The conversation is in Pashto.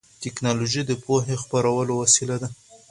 ټیکنالوژي د پوهې خپرولو وسیله ده.